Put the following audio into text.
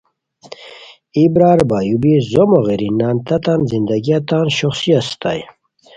ای برار بایو بی زومو غیری نان تتان زندگیہ تان شوخڅی استائے